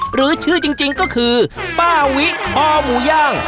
หรือชื่อจริงก็คือป้าวิคอหมูย่าง